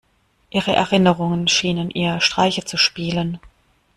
Ihre Erinnerungen schienen ihr Streiche zu spielen.